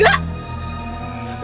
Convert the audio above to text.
hape aku juga mati